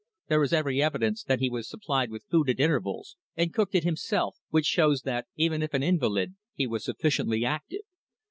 There is every evidence that he was supplied with food at intervals, and cooked it himself, which shows that, even if an invalid, he was sufficiently active.